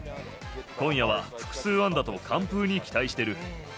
今夜は複数安打と完封に期待してる。